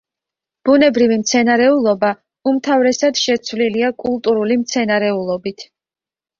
ბუნებრივი მცენარეულობა უმთავრესად შეცვლილია კულტურული მცენარეულობით.